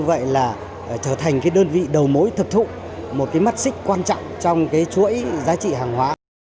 như vậy là trở thành cái đơn vị đầu mối thực thụ một cái mắt xích quan trọng trong cái chuỗi giá trị hàng hóa